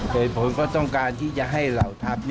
เหตุผลก็ต้องการที่จะให้เหล่าทัพ